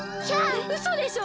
えっうそでしょ？